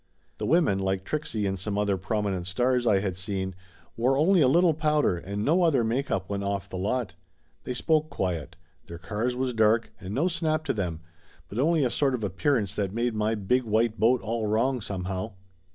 The women, like Trixie and some other prominent stars I had seen, wore only a little powder and no other make up when off the lot; they spoke quiet; their cars was dark and no snap to them, but only a sort of appearance that made my big white boat all wrong somehow.